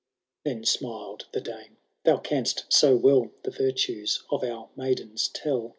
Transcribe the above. *^ XL Then smiled the Dane —Thou canst so well The virtues of our maidens tell.